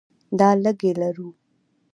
دا لږې لرو.